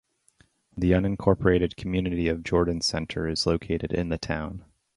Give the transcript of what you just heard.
The unincorporated community of Jordan Center is located in the town.